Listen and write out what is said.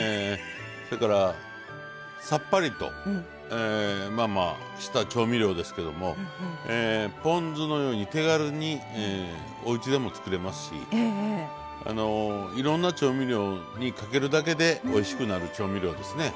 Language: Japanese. それからさっぱりとした調味料ですけどもポン酢のように手軽におうちでも作れますしいろんな調味料にかけるだけでおいしくなる調味料ですね。